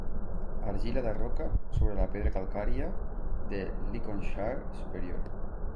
Argila de roca sobre la pedra calcària de Lincolnshire superior.